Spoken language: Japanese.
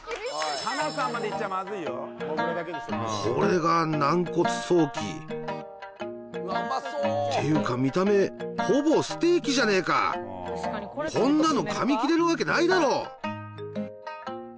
これが軟骨ソーキていうか見た目ほぼステーキじゃねえかこんなの噛み切れるわけないだろ！